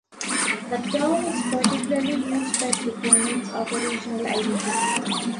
The term is particularly used by proponents of a regional identity.